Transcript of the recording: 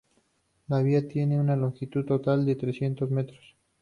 La vía tiene una longitud total de trescientos metros.